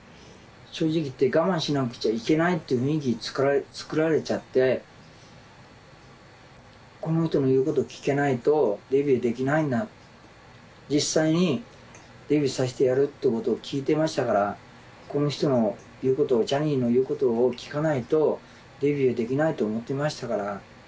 正直言って、我慢しなくちゃいけないっていう雰囲気作られちゃって、この人の言うことを聞けないとデビューできないんだ、実際にデビューさせてやるっていうことを聞いていましたから、この人の言うことを、ジャニーの言うことを聞かないと、デビューできないと思ってましたから。